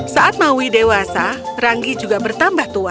saat maui dewasa ranggi juga bertambah tua